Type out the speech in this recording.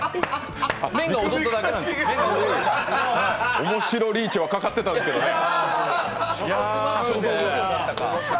おもしろリーチはかかってたんですけどねぇ。